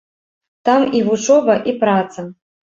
Там і вучоба, і праца.